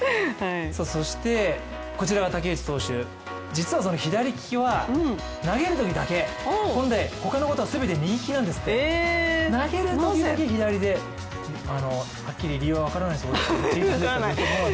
そして武内投手、実は左利きは投げるときだけほかのことは全て右利きなんですって、投げるときだけ左ではっきり理由は分からないそうですが。